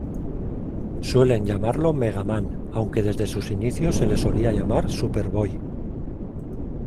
Suelen llamarlo ‹Megaman›, aunque desde sus inicios se le solía llamar ‹Superboy›.